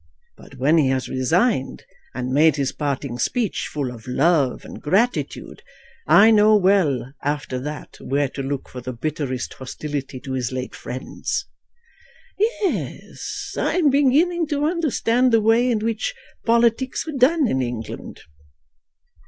But when he has resigned, and made his parting speech full of love and gratitude, I know well after that where to look for the bitterest hostility to his late friends. Yes, I am beginning to understand the way in which politics are done in England."